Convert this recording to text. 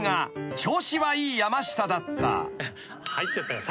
入っちゃったから。